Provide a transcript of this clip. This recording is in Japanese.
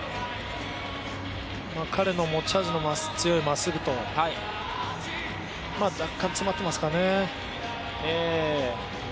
彼の持ち味の強いまっすぐと若干詰まってますかね。